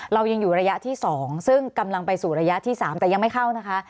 เรายังอยู่ระยะที่๒ซึ่งกำลังไปสู่ระยะที่๓แต่ยังไม่เข้านะคะ